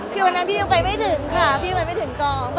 คือวันนั้นพี่ยังไปไม่ถึงค่ะพี่ไปไม่ถึงกอง